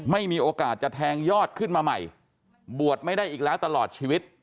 ไม่มีโอกาสจะแทงยอดขึ้นมาใหม่บวชไม่ได้อีกแล้วตลอดชีวิต